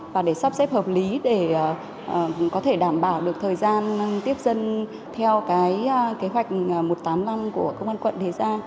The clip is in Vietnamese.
và để sắp xếp hợp lý để có thể đảm bảo được thời gian tiếp dân theo cái kế hoạch một trăm tám mươi năm của công an quận đề ra